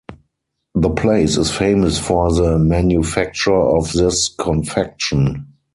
The place is famous for the manufacture of this confection.